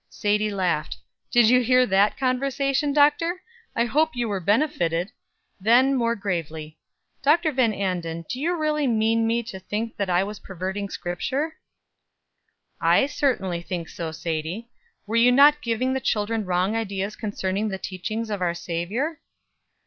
Sadie laughed. "Did you hear that conversation, Doctor? I hope you were benefited." Then, more gravely: "Dr. Van Anden, do you really mean me to think that I was perverting Scripture?" "I certainly think so, Sadie. Were you not giving the children wrong ideas concerning the teachings of our Savior?"